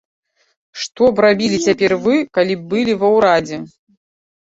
Што б рабілі цяпер вы, калі б былі ва ўрадзе?